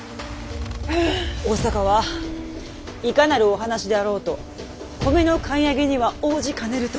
大坂はいかなるお話であろうと米の買い上げには応じかねると。